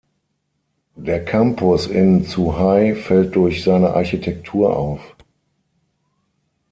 Der Campus in Zhuhai fällt durch seine Architektur auf.